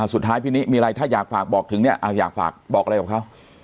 พี่นิมีอะไรถ้าอยากฝากบอกถึงเนี่ยอยากฝากบอกอะไรกับเขา